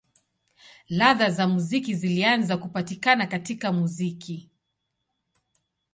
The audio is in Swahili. Ladha za muziki zilianza kupatikana katika muziki.